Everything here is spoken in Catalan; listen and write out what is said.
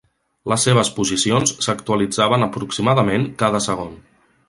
Les seves posiciones s'actualitzaven aproximadament cada segon.